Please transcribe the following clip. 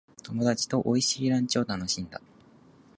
友達と美味しいランチを楽しんだ。